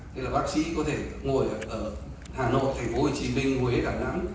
đây là bác sĩ có thể ngồi ở hà nội tp hcm huế đà nẵng